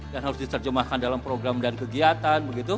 dan harus diterjemahkan dalam program dan kegiatan